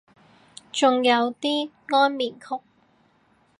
仲有啲安眠曲